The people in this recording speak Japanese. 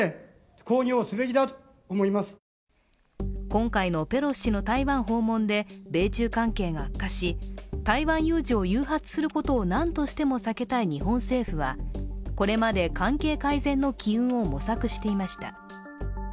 今回のペロシ氏の台湾訪問で米中関係が悪化し台湾有事を誘発することを何としても避けたい日本政府はこれまで関係改善の機運を模索していました。